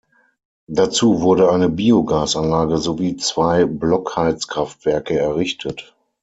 Dazu wurde eine Biogasanlage sowie zwei Blockheizkraftwerke errichtet.